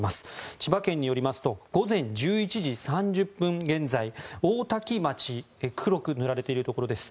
千葉県によりますと午前１１時３０分現在大多喜町黒く塗られているところです